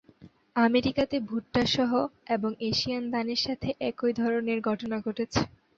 আমেরিকাতে ভুট্টা সহ এবং এশিয়ায় ধানের সাথে একই ধরনের ঘটনা ঘটেছে।